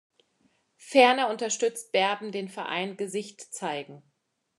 Ferner unterstützt Berben den Verein "Gesicht Zeigen!